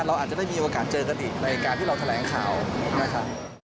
เราอาจจะได้มีโอกาสเจอกันอีกในการที่เราแถลงข่าวนะครับ